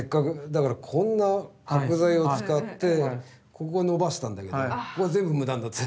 だからこんな角材を使ってここを伸ばしたんだけどここは全部無駄になって。